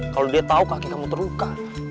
kalau dia tahu kaki kamu terluka